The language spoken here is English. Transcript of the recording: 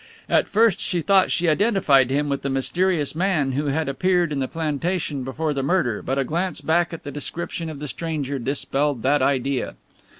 At first she thought she identified him with the mysterious man who had appeared in the plantation before the murder, but a glance back at the description of the stranger dispelled that idea.